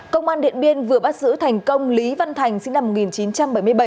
công an điện biên vừa bắt giữ thành công lý văn thành sinh năm một nghìn chín trăm bảy mươi bảy